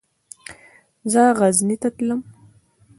زه غزني ته تلم.